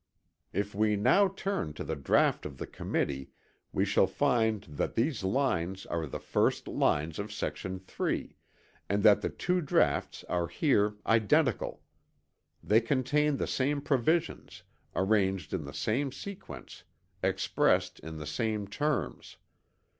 If we now turn to the draught of the Committee we shall find that these lines are the first lines of section 3, and that the two draughts are here identical. They contain the same provisions, arranged in the same sequence, expressed in the same terms.